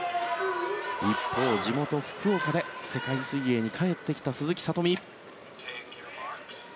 一方、地元・福岡で世界水泳に帰ってきた鈴木聡美。